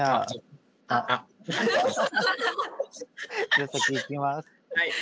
じゃあ先いきます。